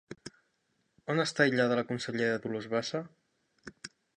On està aïllada la consellera Dolors Bassa?